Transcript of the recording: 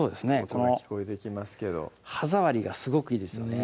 この音が聞こえてきますけど歯触りがすごくいいですよね